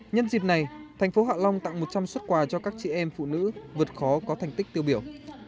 nhân dịp này thành phố hạ long tặng một trăm linh xuất quà cho các chị em phụ nữ vượt khó có thành tích tiêu biểu